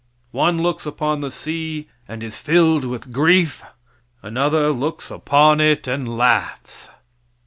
One looks upon the sea and is filled with grief; another looks upon it and laughs.